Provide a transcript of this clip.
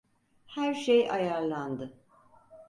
Her şey ayarlandı.